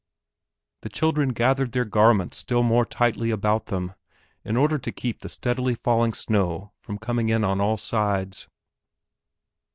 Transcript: The, children gathered their garments still more tightly about them, in order to keep the steadily falling snow from coming in on all sides.